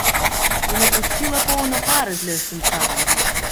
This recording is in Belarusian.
І напусціла поўна пары з лёгкім чадам.